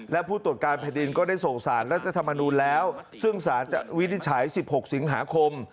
และผู้ตรวจการแผ่นดินก็ได้ส่งสารรัฐธรรมนูลแล้วซึ่งสารจะวินิจฉัย๑๖สิงหาคม